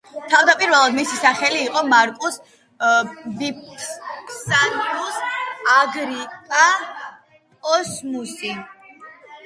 თავდაპირველად, მისი სახელი იყო მარკუს ვიფსანიუს აგრიპა პოსტუმუსი.